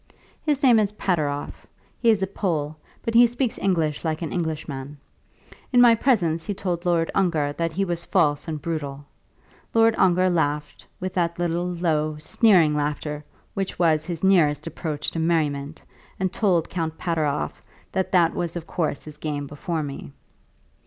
"His name is Pateroff. He is a Pole, but he speaks English like an Englishman. In my presence he told Lord Ongar that he was false and brutal. Lord Ongar laughed, with that little, low, sneering laughter which was his nearest approach to merriment, and told Count Pateroff that that was of course his game before me.